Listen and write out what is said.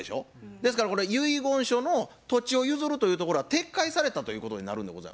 ですからこれは遺言書の土地を譲るというところは撤回されたということになるんでございますな。